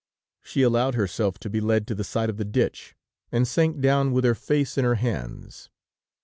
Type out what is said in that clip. She allowed herself to be led to the side of the ditch, and sank down with her face in her hands.